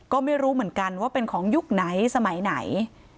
ก็ไม่รู้เหมือนกันว่าเป็นของยุคไหนสมัยไหน